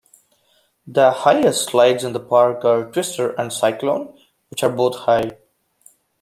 The highest slides in the park are Twister and Cyclone, which are both high.